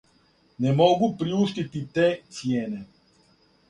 Не могу приуштити те цијене.